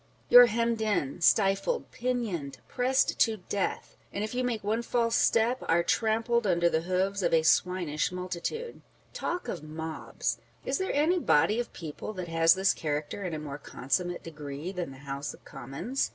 You are hemmed in, stifled, pinioned, pressed to death, â€" and if you make one false step, are " trampled under the hoofs of a swinish multitude !" Talk of mobs ! Is there any body of people that has this character in a more consummate degree than the House of Commons